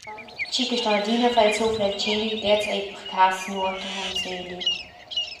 Tgi che sto adina far il sufleltgil, gliez ei per cass nuota honzeli.